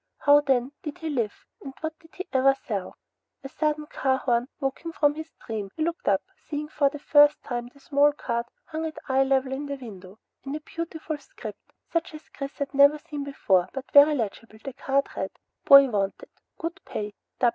How then, did he live, and what did he ever sell? A sudden car horn woke him from his dream. He looked up, seeing for the first time the small card hung at eye level in the window. In a beautiful script such as Chris had never seen before, but very legible, the card read: Boy Wanted. Good Pay.